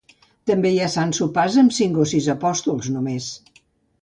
També hi ha sants sopars amb cinc o sis apòstols, només.